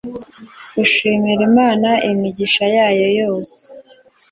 ushimira Imana imigisha yayo yose